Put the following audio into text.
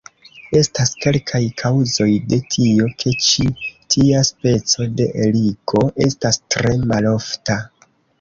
Estas kelkaj kaŭzoj de tio ke ĉi tia speco de eligo estas tre malofta.